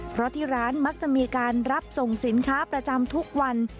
เพราะที่ร้านมักจะมีการรับส่งสินค้าประจำทุกวัน